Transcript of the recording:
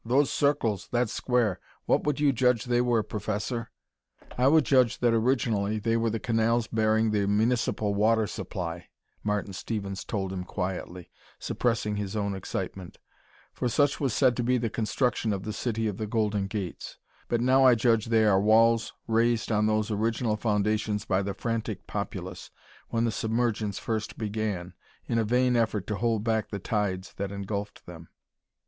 "Those circles, that square: what would you judge they were, Professor?" "I would judge that originally they were the canals bearing the municipal water supply," Martin Stevens told him quietly, suppressing his own excitement, "for such was said to be the construction of the City of the Golden Gates; but now I judge they are walls raised on those original foundations by the frantic populace, when the submergence first began, in a vain effort to hold back the tides that engulfed them."